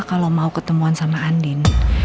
kalau mau ketemuan sama andin